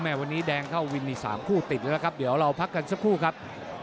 วันนี้แดงเข้าวินมี๓คู่ติดแล้วนะครับเดี๋ยวเราพักกันสักครู่ครับ